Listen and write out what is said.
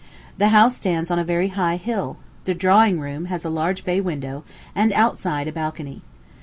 The house stands on a very high hill; the drawing room has a large bay window, and outside a balcony.